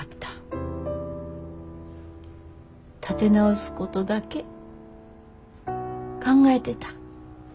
立て直すことだけ考えてた。